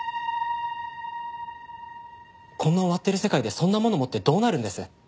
こんな終わってる世界でそんなもの持ってどうなるんです？